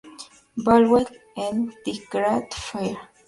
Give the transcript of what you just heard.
Bagwell en "The Great Fire".